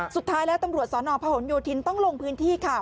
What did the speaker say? สุดท้ายแล้วตำรวจสนพหนโยธินต้องลงพื้นที่ค่ะ